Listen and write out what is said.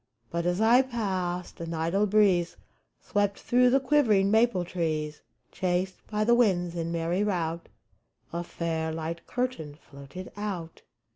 But, as I passed, an idle breeze Swept through the quivering maple trees ; Chased by the winds in merry rout, A fair, light curtain floated out.